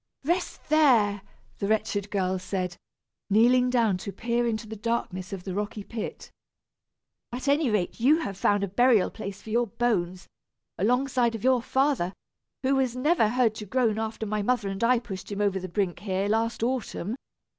"Rest there!" the wretched girl said, kneeling down to peer into the darkness of the rocky pit. "At any rate, you have found a burial place for your bones, alongside of your father, who was never heard to groan after my mother and I pushed him over the brink here, last autumn!